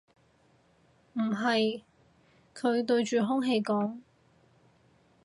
唔係，佢對住空氣講